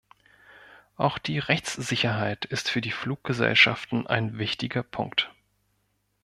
Auch die Rechtssicherheit ist für die Fluggesellschaften ein wichtiger Punkt.